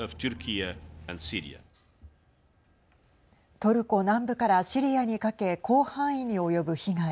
トルコ南部からシリアにかけ広範囲に及ぶ被害。